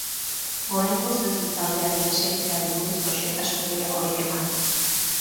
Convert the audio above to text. Oraingoz ez du taldearen desegiteari buruzko xehetasun gehiagorik eman.